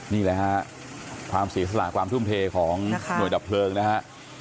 นี่แหละฮะความเสียสละความทุ่มเทของหน่วยดับเพลิงนะฮะ